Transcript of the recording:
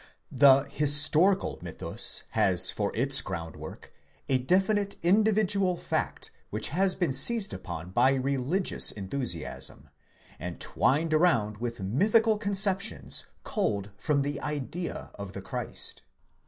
The historical mythus has for its groundwork a definite individual fact which has been seized upon by religious enthusiasm, and twined around with mythical conceptions culled from the idea of the Christ.